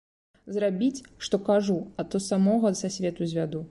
Зрабіць, што кажу, а то самога са свету звяду.